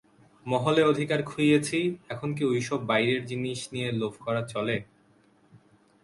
মহলে অধিকার খুইয়েছি, এখন কি ঐ-সব বাইরের জিনিস নিয়ে লোভ করা চলে?